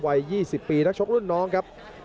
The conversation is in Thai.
วัย๒๐ปีนักชกรุ่นน้องครับ